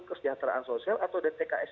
kesejahteraan sosial atau dtks